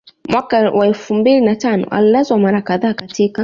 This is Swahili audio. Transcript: Mwaka wa elfu mbili na tano alilazwa mara kadhaa katika